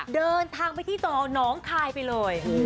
เดินทางไปที่ต่อน้องคายไปเลย